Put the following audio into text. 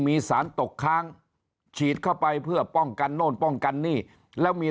มีสารตกค้างฉีดเข้าไปเพื่อป้องกันโน่นป้องกันนี่แล้วมี